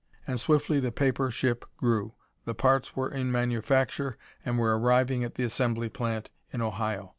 And swiftly the paper ship grew. The parts were in manufacture, and arriving at the assembly plant in Ohio.